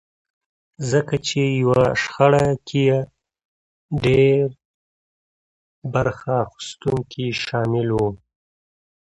ځکه چې يوه شخړه کې ډېر برخه اخيستونکي شامل وي.